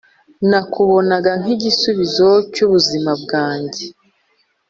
Nakubonaga nkigisubizo cy’ubuzima bwanjye